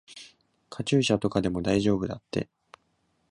カチューシャとかでも大丈夫だって。